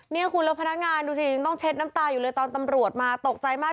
นี่คุณแล้วพนักงานดูสิยังต้องเช็ดน้ำตาอยู่เลยตอนตำรวจมาตกใจมาก